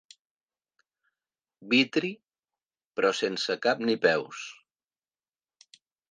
Vitri, però sense cap ni peus.